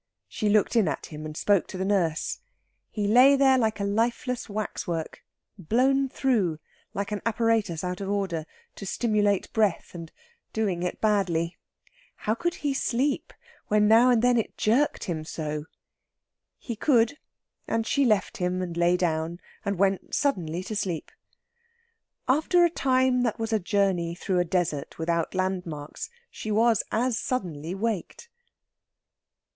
She looked in at him, and spoke to the nurse. He lay there like a lifeless waxwork blown through, like an apparatus out of order, to simulate breath, and doing it badly. How could he sleep when now and then it jerked him so? He could, and she left him and lay down, and went suddenly to sleep. After a time that was a journey through a desert, without landmarks, she was as suddenly waked.